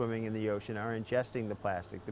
ikan yang berlari di laut mengandung plastik